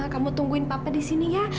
kamu tungguin papa di sini ya